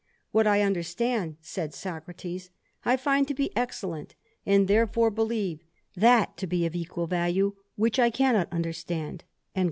"What I understand," said Socrates, " I find to be "excellent; and, therefore, believe that to be of equal " value which I cannot understand."